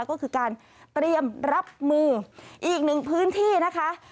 ก็คือการเตรียมรับมืออีกหนึ่งพื้นที่นะคะ